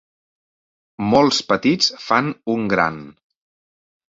Molts petits fan un gran